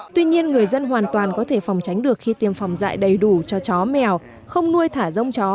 tuy nhiên người dân hoàn toàn có thể phòng tránh được khi tiêm phòng dại đầy đủ cho chó mèo không nuôi thả rông chó chó ra đường phải dọa mõm